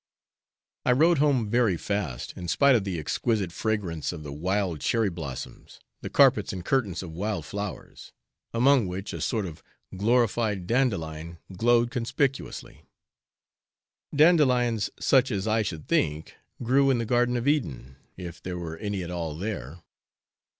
I rode home very fast, in spite of the exquisite fragrance of the wild cherry blossoms, the carpets and curtains of wild flowers, among which a sort of glorified dandelion glowed conspicuously; dandelions such as I should think grew in the garden of Eden, if there were any at all there.